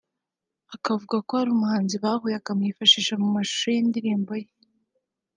akavuga ko ari umuhanzikazi bahuye akamwifashisha mu mashusho y’indirimbo ye